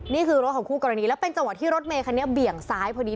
นี่คือรถของคู่กรณีแล้วเป็นจังหวะที่รถเมคันนี้เบี่ยงซ้ายพอดี